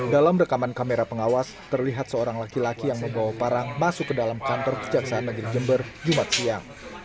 dalam rekaman kamera pengawas terlihat seorang laki laki yang membawa parang masuk ke dalam kantor kejaksaan negeri jember jumat siang